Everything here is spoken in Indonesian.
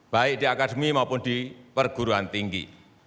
baik di akademi maupun di perguruan tinggi